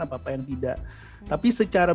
apa apa yang tidak tapi secara